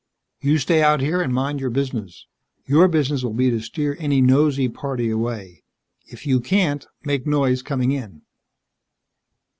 "You stay out here and mind your business. Your business will be to steer any nosey party away. If you can't, make noise coming in."